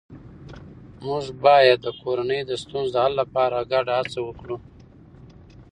موږ باید د کورنۍ د ستونزو د حل لپاره ګډه هڅه وکړو